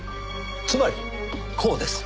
つまりこうです。